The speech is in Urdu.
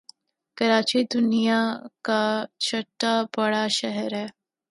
کراچی دنیا کاچهٹا بڑا شہر ہے